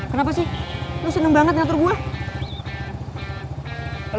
kenapa sih terus seneng banget ngatur gue